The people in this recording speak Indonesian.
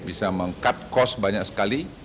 bisa meng cut cost banyak sekali